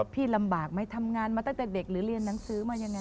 พี่ลำบากไหมทำงานมาตั้งแต่เด็กหรือเรียนหนังสือมายังไง